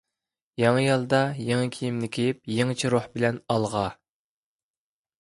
يېڭى يىلدا يېڭى كىيىمنى كىيىپ، يېڭىچە روھ بىلەن ئالغا!